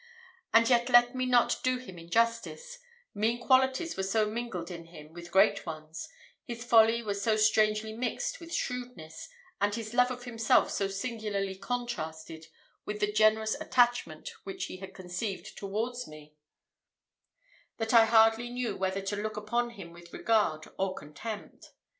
And yet let me not do him injustice; mean qualities were so mingled in him with great ones his folly was so strangely mixed with shrewdness, and his love of himself so singularly contrasted with the generous attachment which he had conceived towards me, that I hardly knew whether to look upon him with regard or contempt.